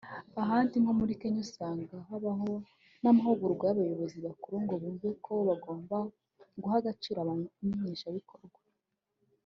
Ahandi nko muri Kenya usanga habaho n’amahugurwa y’abayobozi bakuru ngo bumve ko bagomba guha agaciro abamenyekanishabikorwa